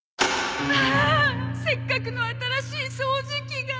ああっせっかくの新しい掃除機が。